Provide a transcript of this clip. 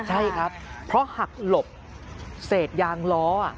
ใช่ครับเพราะหักหลบเศษยางล้อ